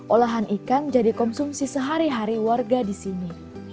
olahan ikan jadi konsumsi sehari hari warga di sini